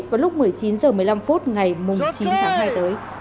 vào lúc một mươi chín h một mươi năm phút ngày chín tháng hai tới